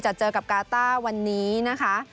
เจอกับกาต้าวันนี้นะคะ